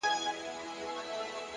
د تمرکز ځواک هدف روښانه ساتي،